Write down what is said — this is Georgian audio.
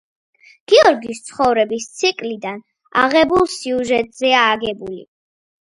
გიორგის ცხოვრების ციკლიდან აღებულ სიუჟეტზეა აგებული.